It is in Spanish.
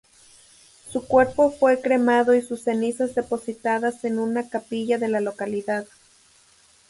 Su cuerpo fue cremado y sus cenizas depositadas en una capilla de la localidad.